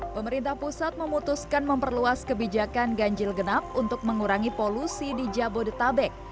pemerintah pusat memutuskan memperluas kebijakan ganjil genap untuk mengurangi polusi di jabodetabek